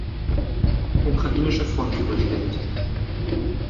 Ukrainische Front überstellt.